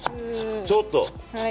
ちょっと。